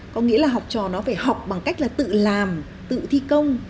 có nghĩa là học trò nó phải học bằng cách là tự làm tự thi công